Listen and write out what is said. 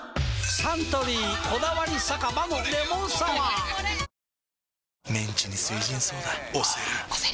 サントリー「こだわり酒場のレモンサワー」推せる！！